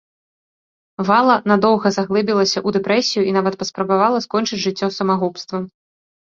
Вала надоўга заглыбілася ў дэпрэсію і нават паспрабавала скончыць жыццё самагубствам.